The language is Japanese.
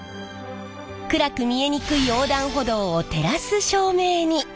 暗く見えにくい横断歩道を照らす照明に。